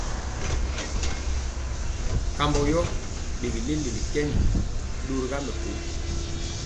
Kambɔ yɔ ɓegi leliga kɛni, ɗori ga mɛkoo.